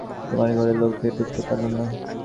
তোমার ঘরে লোক দেখে ঢুকতে পারলুম না।